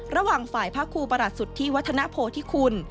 ระหว่างฝ่ายพระครูประหัสสุทธิวัฒนโพธิคุณ